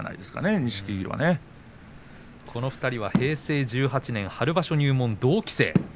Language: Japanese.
この部屋の２人は平成１８年春場所入門同期生です。